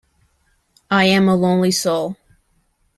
I am a lonely soul.